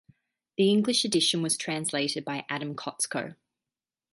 The English edition was translated by Adam Kotsko.